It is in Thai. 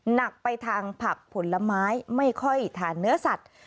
หนักไปทางผักผลไม้ไม่ค่อยทานเนื้อสัตว์